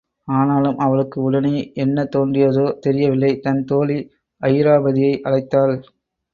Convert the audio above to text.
ஆனாலும் அவளுக்கு உடனே என்ன தோன்றியதோ தெரியவில்லை தன் தோழி அயிராபதியை அழைத்தாள்.